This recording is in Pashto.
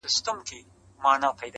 د ښایستونو خدایه سر ټیټول تاته نه وه.